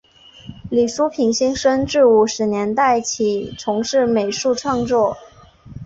李叔平先生自五十年代起从事美术创作。